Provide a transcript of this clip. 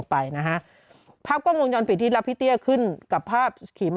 ไปนะฮะภาพกล้องวงจรปิดที่รับพี่เตี้ยขึ้นกับภาพขี่มอ